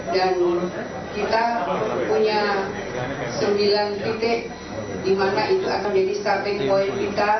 kita punya sembilan titik di mana itu akan menjadi starting point kita